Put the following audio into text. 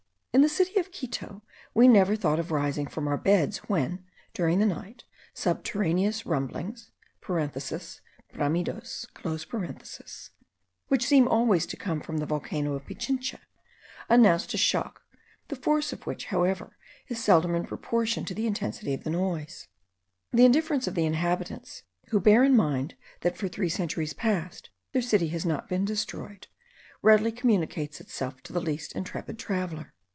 In the city of Quito, we never thought of rising from our beds when, during the night, subterraneous rumblings (bramidos), which seem always to come from the volcano of Pichincha, announced a shock, the force of which, however, is seldom in proportion to the intensity of the noise. The indifference of the inhabitants, who bear in mind that for three centuries past their city has not been destroyed, readily communicates itself to the least intrepid traveller.